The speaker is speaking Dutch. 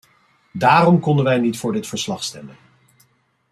Daarom konden wij niet voor dit verslag stemmen.